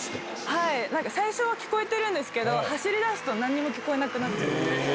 最初は聞こえてるんですけど、走りだすとなんにも聞こえなくなっちゃうんで。